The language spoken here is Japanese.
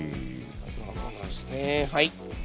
はい。